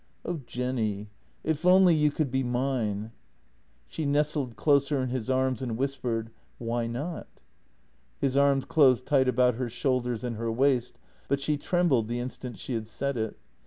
1 18 JENNY " Oh, Jenny, if only you could be mine! " She nestled closer in his arms and whispered: " Why not? " His arms closed tight about her shoulders and her waist, but she trembled the instant she had said it.